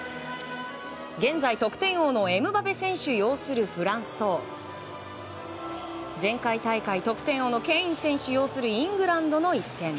現在得点王のエムバペ選手擁するフランスと前回大会得点王のケイン選手を擁するイングランドの一戦。